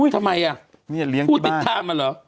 ทำไมผู้ติดตามมันเหรอโอ้ยโฮ่